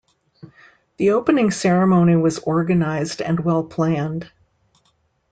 The opening ceremony was organized and well planned.